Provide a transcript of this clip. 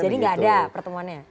jadi gak ada pertemuannya